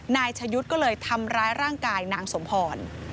นายชะยุทธ์ก็เลยทำร้ายร่างกายนางสมพร